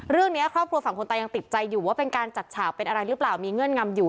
เรื่องนี้ครอบครัวฝั่งคนตายังติดใจอยู่ว่าเป็นการจัดฉากเป็นอะไรหรือเปล่ามีเงื่อนงำอยู่